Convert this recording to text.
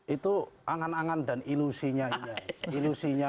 itu angan angan dan ilusinya